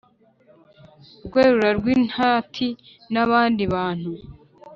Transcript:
rwerura rwi ntati na bandi bantu,